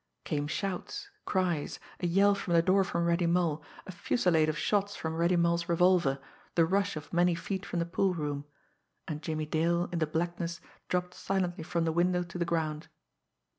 Came shouts, cries, a yell from the door from Reddy Mull, a fusillade of shots from Reddy Mull's revolver, the rush of many feet from the pool room and Jimmie Dale, in the blackness, dropped silently from the window to the ground.